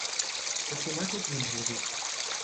حکومت جمهوری